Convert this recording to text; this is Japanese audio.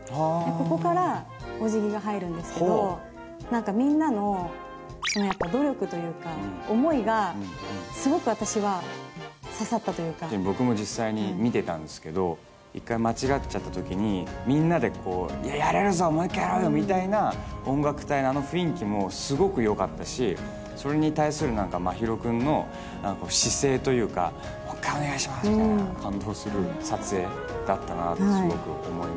ここからお辞儀が入るんですけど何かみんなの努力というか思いがすごく私は刺さったというか僕も実際に見てたんですけど１回間違っちゃった時にみんなでこうやれるぞもう一回やろうよみたいな音楽隊のあの雰囲気もすごくよかったしそれに対する何か真宙くんの姿勢というか「もう一回お願いします」みたいな感動する撮影だったなってすごく思いますね